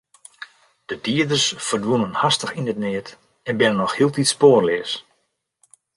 De dieders ferdwûnen hastich yn it neat en binne noch hieltyd spoarleas.